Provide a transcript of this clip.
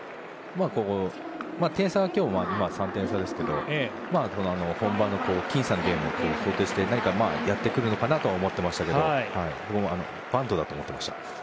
点差は今は３点差ですけど本番の僅差のゲームを想定して何かやってくるかなと思っていましたが、僕はバントだと思ってました。